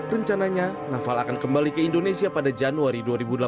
rencananya naval akan kembali ke indonesia pada januari dua ribu delapan belas